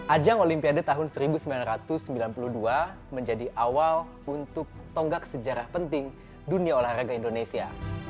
ajang olimpiade tahun seribu sembilan ratus sembilan puluh dua menjadi awal untuk tonggak sejarah penting dunia olahraga indonesia